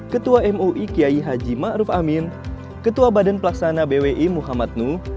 ketua mui kiai haji ma ruf amin ketua badan pelaksana bwi muhammad nu